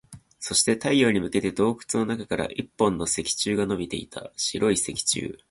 そして、太陽に向けて洞窟の中から一本の石柱が伸びていた。白い石柱。